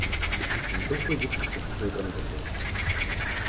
Existen dos proyectos en proceso de tramitación.